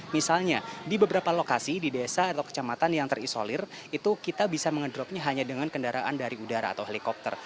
misalnya di beberapa lokasi di desa atau kecamatan yang terisolir itu kita bisa mengedropnya hanya dengan kendaraan dari udara atau helikopter